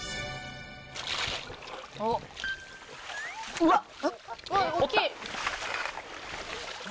うわっ！